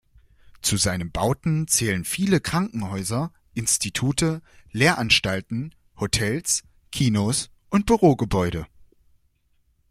Zu seinen Bauten zählen viele Krankenhäuser, Institute, Lehranstalten, Hotels, Kinos und Bürogebäude.